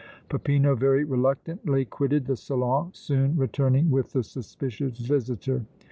Peppino very reluctantly quitted the salon, soon returning with the suspicious visitor.